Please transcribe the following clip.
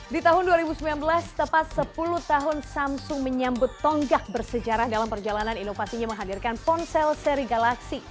di tahun dua ribu sembilan belas tepat sepuluh tahun samsung menyambut tonggak bersejarah dalam perjalanan inovasinya menghadirkan ponsel seri galaxy